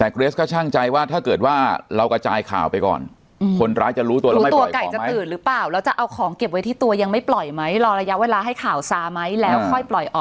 อักษามั้ยแล้วค่อยปล่อยออกมั้ยอะไรอย่างเงี้ย